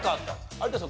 有田さん